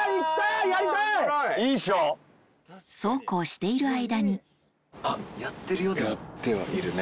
そうこうしている間にやってはいるね。